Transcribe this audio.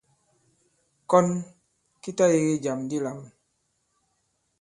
Kɔn ki ta yege jàm di lām.